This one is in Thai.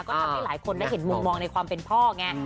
ก็ทำให้หลายคนได้เห็นมุมมองในความเป็นพ่อไง